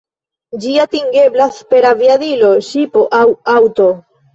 Ĝi atingeblas per aviadilo, ŝipo aŭ aŭto.